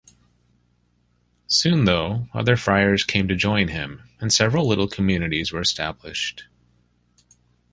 Soon, though, other friars came to join him, and several little communities were established.